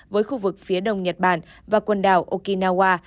với khu vực phía đông nhật bản và quần đảo okinawa